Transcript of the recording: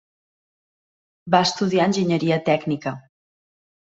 Va estudiar enginyeria tècnica.